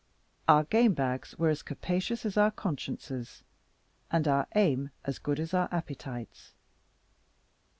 Our game bags were as capacious as our consciences, and our aim as good as our appetites.